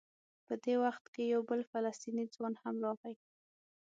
په دې وخت کې یو بل فلسطینی ځوان هم راغی.